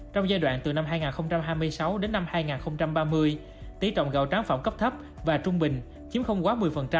trong giai đoạn từ năm hai nghìn hai mươi sáu đến năm hai nghìn ba mươi tỷ trọng gạo tráng phẩm cấp thấp và trung bình chiếm không quá một mươi